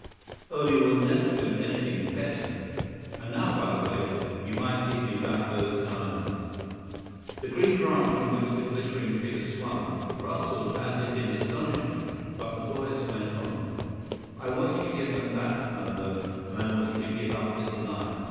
Oh, you will never do anything better. And now, by the way, you might give me back those diamonds." The green branch on which the glittering figure swung, rustled as if in astonishment; but the voice went on: "I want you to give them back, Flambeau, and I want you to give up this life.